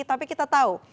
tapi kita tahu